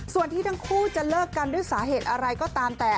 ส่วนที่ทั้งคู่จะเลิกกันด้วยสาเหตุอะไรก็ตามแต่